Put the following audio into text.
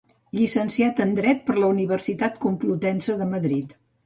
Llicenciat en dret per la Universitat Complutense de Madrid.